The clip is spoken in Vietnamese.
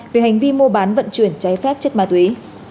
vì hành vi mua bán vận chuyển trái phép chất ma túy